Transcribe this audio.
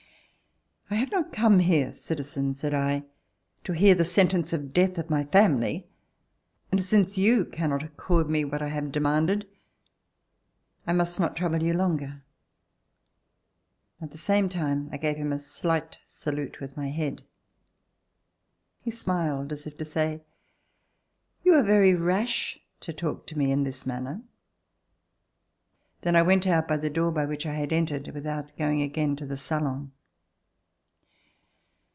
"I have not come here, citizen," said I, "to hear the sentence of death of my family, and since you cannot accord me what I have de manded, I must not trouble you longer." At the same time I gave him a slight salute with my head. He smiled as if to say: "You are very rash to talk to me In this manner." Then I went out by the door by which I had entered without going again to the salon.